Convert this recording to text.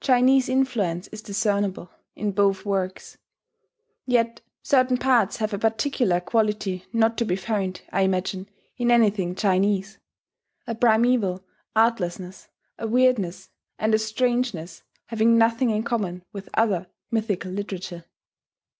Chinese influence is discernible in both works; yet certain parts have a particular quality not to be found, I imagine, in anything Chinese, a primeval artlessness, a weirdness, and a strangeness having nothing in common with other mythical literature.